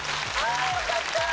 あよかった！